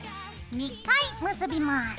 ２回結びます。